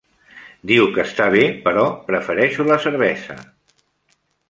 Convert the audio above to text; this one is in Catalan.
Diu que està bé, però prefereixo la cervesa.